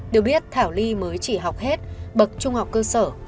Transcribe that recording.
được biết thảo ly mới chỉ học hết bậc trung học cơ sở